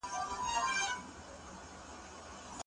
موږ به له هند سره سیالي وکړو.